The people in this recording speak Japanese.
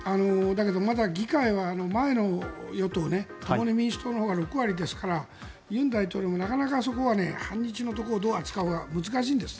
だけどまだ議会は前の与党、共に民主党のほうが６割ですから尹大統領もなかなかそこまでは反日のところをどう扱うか難しいんです。